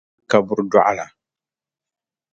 kaman kabur’ dɔɣu la.